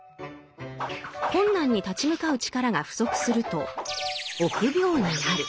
困難に立ち向かう力が不足すると「臆病」になる。